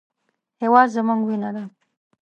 هېواد زموږ وینه ده